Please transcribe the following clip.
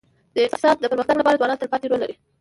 د اقتصاد د پرمختګ لپاره ځوانان تلپاتې رول لري.